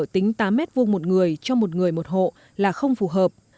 tính tám m hai một người cho một người một hộ là không phù hợp